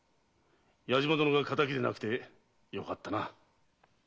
矢島殿が仇でなくてよかったな。